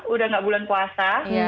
udah gak bulan puasa